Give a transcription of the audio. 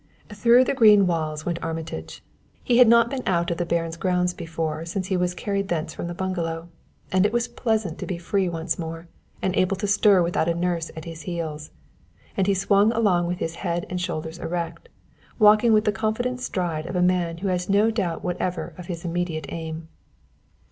Through the green walls went Armitage. He had not been out of the Baron's grounds before since he was carried thence from the bungalow; and it was pleasant to be free once more, and able to stir without a nurse at his heels; and he swung along with his head and shoulders erect, walking with the confident stride of a man who has no doubt whatever of his immediate aim.